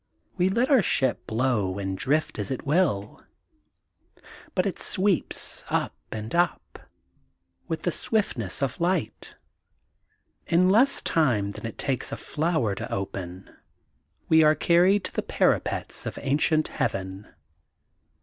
'* We let our ship blow and drift as it will. But it sweeps up and up, with the swifhiess of light. In less time than it takes a flower to open, we are carried to the parapets of ancient Heaven.